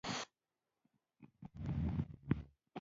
ښوونځی له ماشومانو رهبران جوړوي.